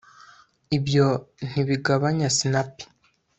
ibyo ntibigabanya sinapi